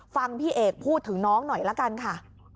ฟังพี่เอกพูดถึงน้องหน่อยละกันค่ะ